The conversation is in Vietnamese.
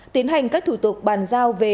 tiến hành các thủ tục bàn giao về